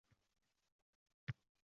Qalamingni